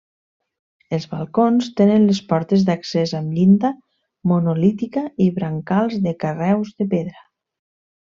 Els balcons tenen les portes d'accés amb llinda monolítica i brancals de carreus de pedra.